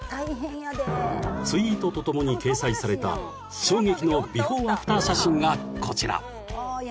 ［ツイートとともに掲載された衝撃のビフォーアフター写真がこちら］